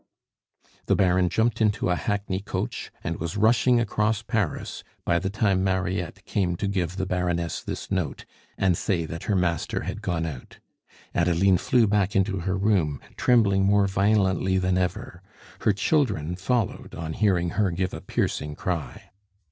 The Baron jumped into a hackney coach, and was rushing across Paris by the time Mariette came to give the Baroness this note, and say that her master had gone out. Adeline flew back into her room, trembling more violently than ever; her children followed on hearing her give a piercing cry.